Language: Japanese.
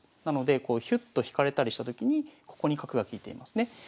なのでひゅっと引かれたりしたときにここに角が利いていますね。